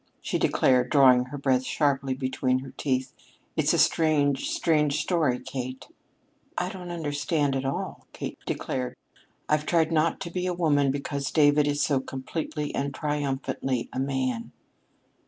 she declared, drawing her breath sharply between her teeth. "It's a strange, strange story, Kate." "I don't understand at all," Kate declared. "I've tried not to be a woman because David is so completely and triumphantly a man."